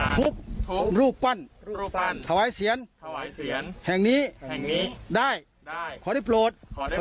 ทุกคนจะติ่งแล้วอยู่สื่อเอาว่าตามท่าหากว่าท่าหากว่า